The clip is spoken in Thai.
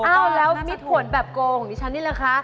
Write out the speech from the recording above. อ้าวแล้วมิดผลแบบโกของดิฉันนี่แหละคะ